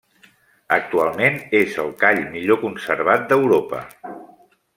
Actualment és el call millor conservat d'Europa.